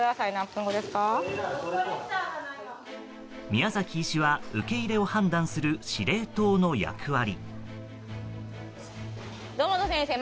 宮崎医師は受け入れを判断する司令塔の役割。